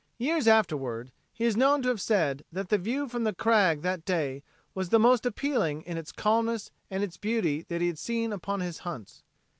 Years afterward he is known to have said that the view from the crag that day was the most appealing in its calmness and its beauty that he had seen upon his hunts.